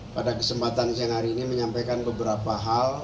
pada kesempatan siang hari ini menyampaikan beberapa hal